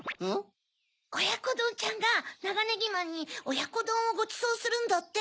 おやこどんちゃんがナガネギマンにおやこどんをごちそうするんだって。